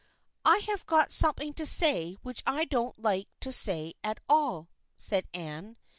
" I have got something to say which I don't like to say at all," said Anne.